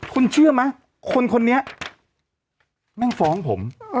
คุณเชื่อไหมคนนี้แม่งฟ้องผม